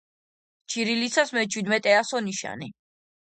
ჩირილიცას მეჩვიდმეტე ასო-ნიშანი.